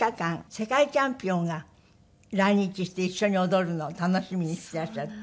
世界チャンピオンが来日して一緒に踊るのを楽しみにしていらっしゃるって。